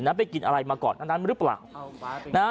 นักไปกินอะไรมาก่อนนั้นหรือเปล่า